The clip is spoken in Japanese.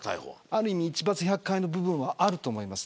ある意味、一罰百戒の部分はあると思います。